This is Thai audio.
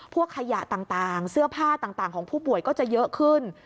ขยะต่างเสื้อผ้าต่างของผู้ป่วยก็จะเยอะขึ้น